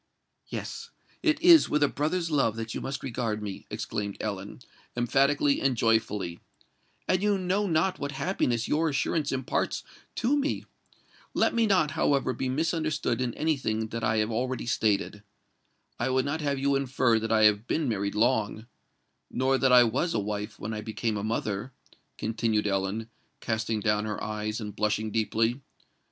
"Yes—it is with a brother's love that you must regard me," exclaimed Ellen, emphatically and joyfully; "and you know not what happiness your assurance imparts to me! Let me not, however, be misunderstood in any thing that I have already stated. I would not have you infer that I have been married long—nor that I was a wife when I became a mother," continued Ellen, casting down her eyes, and blushing deeply.